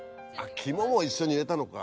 肝も一緒に入れたのか。